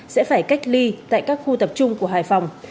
sẽ phải cách ly tại các khu tập trung của hải phòng